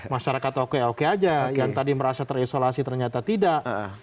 masyarakat oke oke aja yang tadi merasa terisolasi ternyata tidak